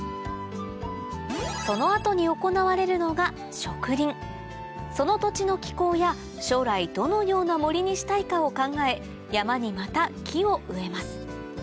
その後に行われるのが植林その土地の気候や将来どのような森にしたいかを考え山にまた木を植えます